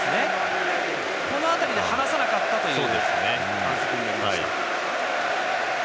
そのあとに離さなかったという反則になりました。